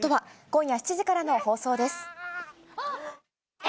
今夜７時からの放送です。